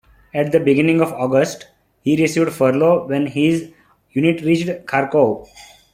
At the beginning of August, he received furlough when his unit reached Kharkov.